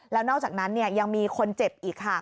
แล้วนอกจากนั้นยังมีคนเจ็บอีกค่ะ